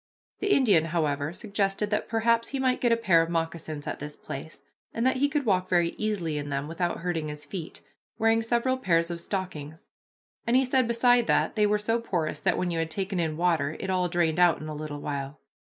The Indian, however, suggested that perhaps he might get a pair of moccasins at this place, and that he could walk very easily in them without hurting his feet, wearing several pairs of stockings, and he said beside that they were so porous that when you had taken in water it all drained out in a little while.